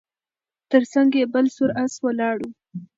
تر څنګ یې بل سور آس ولاړ و